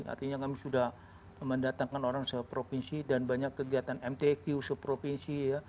artinya kami sudah mendatangkan orang seprovinsi dan banyak kegiatan mtq seprovinsi ya